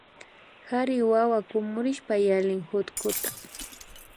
Kari wawa kumurishpa yalin hutkuta